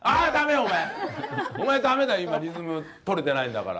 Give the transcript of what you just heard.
お前、だめだ、今、リズム取れてないんだから。